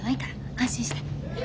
安心して。ね。